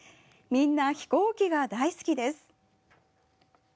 みんな飛行機が大好きです。